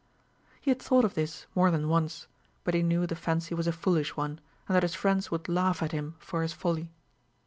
He had thought of this more than once; but he knew the fancy was a foolish one, and that his friends would laugh at him for his folly.